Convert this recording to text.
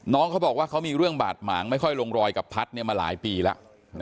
เขาบอกว่าเขามีเรื่องบาดหมางไม่ค่อยลงรอยกับพัดมาหลายปีแล้ว